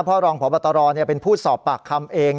เพราะรองพบตรเป็นผู้สอบปากคำเอง